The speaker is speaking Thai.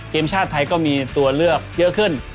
ทีมชาติไทยก็มีตัวเลือกเยอะขึ้น